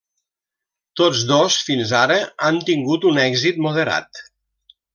Tots dos fins ara han tingut un èxit moderat.